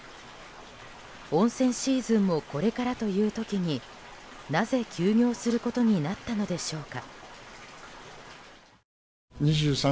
温泉シーズンもこれからという時になぜ休業することになったのでしょうか。